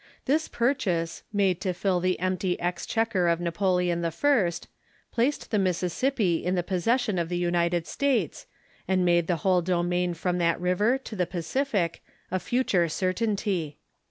This purchase, made to fill the empty excheq uer of Napoleon I., placed the Mississippi in the possession of the United States, and made the whole domain from that river to the Pacific a future certainty.